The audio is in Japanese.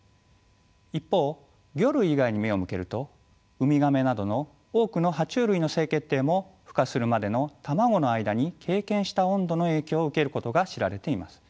一方魚類以外に目を向けるとウミガメなどの多くの爬虫類の性決定もふ化するまでの卵の間に経験した温度の影響を受けることが知られています。